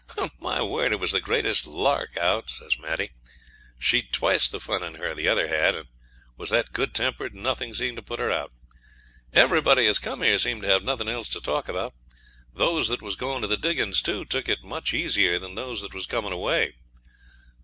'My word! it was the greatest lark out,' says Maddie. She'd twice the fun in her the other had, and was that good tempered nothing seemed to put her out. 'Everybody as come here seemed to have nothing else to talk about. Those that was going to the diggings, too, took it much easier than those that was coming away.'